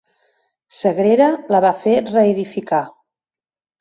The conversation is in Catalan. Sagrera la va fer reedificar.